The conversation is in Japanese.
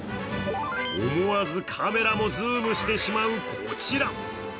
思わずカメラもズームしてしまうこちら。